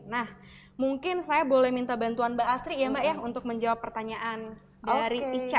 nah mungkin saya boleh minta bantuan mbak asri ya mbak ya untuk menjawab pertanyaan dari ican